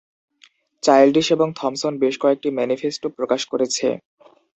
Childish এবং Thomson বেশ কয়েকটি ম্যানিফেস্টো প্রকাশ করেছে।